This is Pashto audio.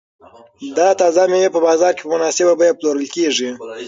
دا تازه مېوې په بازار کې په مناسبه بیه پلورل کیږي.